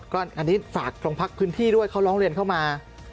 ก็อันนี้ฝากโรงพักพื้นที่ด้วยเขาร้องเรียนเข้ามา